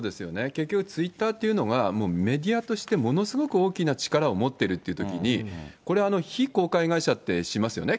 結局、ツイッターっていうのが、もうメディアとして、ものすごく大きな力を持ってるっていうときに、これ、非公開会社ってしますよね。